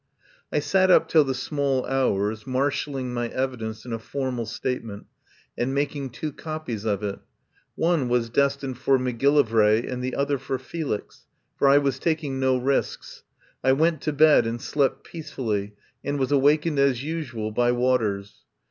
I sat up till the small hours, marshalling my evidence in a formal statement and mak ing two copies of it. One was destined for Macgillivray and the other for Felix, for I was taking no risks. I went to bed and slept peacefully and was awakened as usual by Waters.